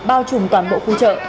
bao trùm toàn bộ khu chợ